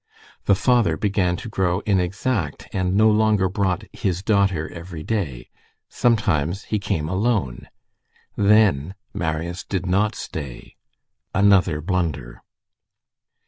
"The father" began to grow inexact, and no longer brought "his daughter" every day. Sometimes, he came alone. Then Marius did not stay. Another blunder.